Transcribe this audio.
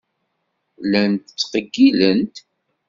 Llant ttqeyyilent.